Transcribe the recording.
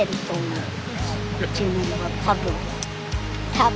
多分。